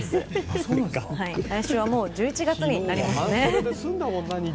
来週はもう１１月になりますね。